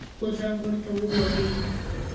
خو زنگ ورته وواهه.